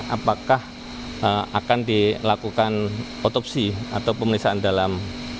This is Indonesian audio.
apakah akan dilakukan otopsi atau pemeriksaan dalam